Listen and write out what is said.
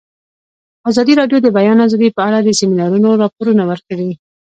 ازادي راډیو د د بیان آزادي په اړه د سیمینارونو راپورونه ورکړي.